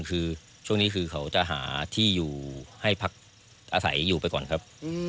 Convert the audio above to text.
คือช่วงนี้เขาจะหาที่ให้ภักษ์อาศัยอยู่ไปก่อนครับ